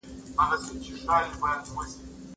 ماشوم د انا د ژوند یوازینۍ هیله او خوشحالي وه.